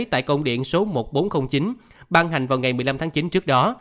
tại công điện số một nghìn bốn trăm linh chín ban hành vào ngày một mươi năm tháng chín trước đó